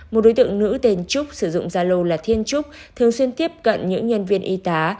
một đối tượng nữ tên trúc sử dụng gia lô là thiên trúc thường xuyên tiếp cận những nhân viên y tá